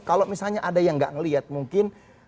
kalau misalnya ada yang gak ngeliat mungkin